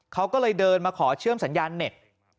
เขาก็เลยเดินมาขอเชื่อมสัญญาณเน็ต